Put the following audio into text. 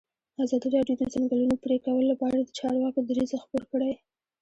ازادي راډیو د د ځنګلونو پرېکول لپاره د چارواکو دریځ خپور کړی.